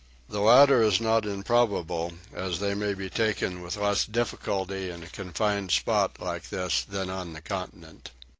The latter is not improbable as they may be taken with less difficulty in a confined spot like this than on the continent.